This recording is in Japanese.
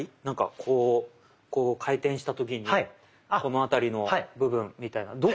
なんかこうこう回転した時にこの辺りの部分みたいな。